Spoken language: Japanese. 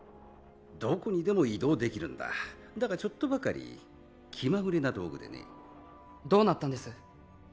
どこにでも移動できるんだだがちょっとばかり気まぐれな道具でねどうなったんです？